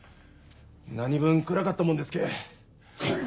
なにぶん暗かったもんですけ。